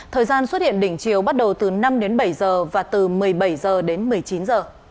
thời gian xuất hiện đỉnh chiều bắt đầu từ năm bảy h và từ một mươi bảy h một mươi chín h